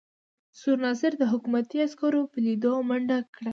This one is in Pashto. سور ناصر د حکومتي عسکرو په لیدو منډه کړه.